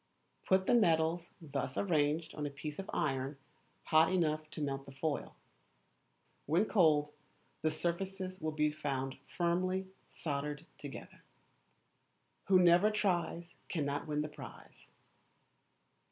Put the metals thus arranged on a piece of iron hot enough to melt the foil. When cold the surfaces will be found firmly soldered together. [WHO NEVER TRIES CANNOT WIN THE PRIZE.